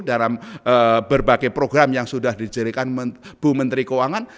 dalam berbagai program yang sudah dijadikan bu menteri keuangan